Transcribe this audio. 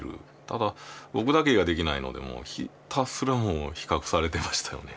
ただぼくだけができないのでもうひたすら比較されてましたよね。